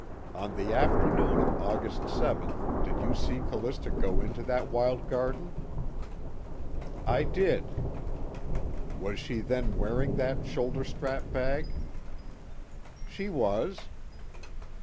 On the afternoon of August 7th, did you see Callista go into that wild garden?" "I did." "Was she then wearing that shoulder strap bag?" "She was."